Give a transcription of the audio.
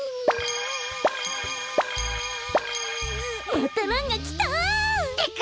またランがきた！ってか！